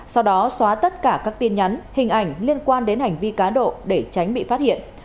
sau đó xóa tất cả các tin nhắn hình ảnh liên quan đến hành vi cá độ để tránh bị phát hiện